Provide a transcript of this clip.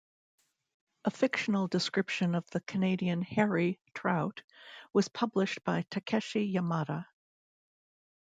A fictional description of the Canadian "Hairy" Trout was published by Takeshi Yamada.